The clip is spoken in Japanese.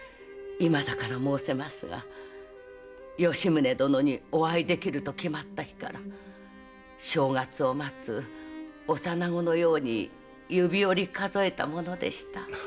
今だから申せますが吉宗殿にお会いできると決まった日から正月を待つ幼子のように指折り数えたものでした。